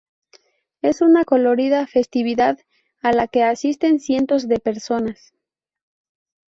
Es una colorida festividad a la que asisten cientos de personas.